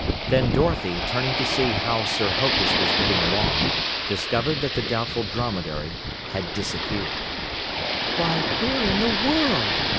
Then Dorothy, turning to see how Sir Hokus was getting along, discovered that the Doubtful Dromedary had disappeared. "Why, where in the world?"